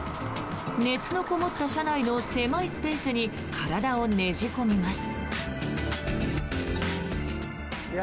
熱のこもった車内の狭いスペースに体をねじ込みます。